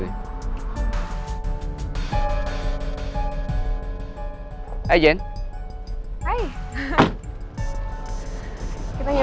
naganya udah kayak